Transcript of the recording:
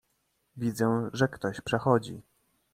"Widzę, że ktoś przechodzi."